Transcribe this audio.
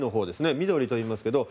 緑といいますが。